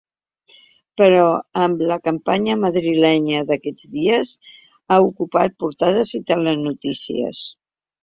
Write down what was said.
Però amb la campanya madrilenya d’aquests dies ha ocupat portades i telenotícies.